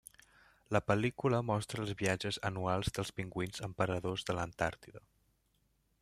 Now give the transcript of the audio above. La pel·lícula mostra els viatges anuals dels pingüins emperadors de l'Antàrtida.